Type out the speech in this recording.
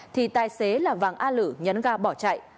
thì tài xế là vàng a lử nhấn ga bỏ chạy